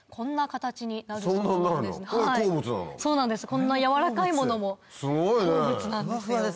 こんな軟らかいものも鉱物なんですよ。